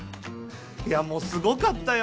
いやもうすごかったよ